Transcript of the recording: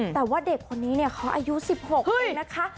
แต่ว่าเด็กนี้เนี่ยเค้าอายุ๑๖เองอีกนะคะ